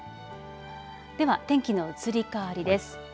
では天気の移り変わりです。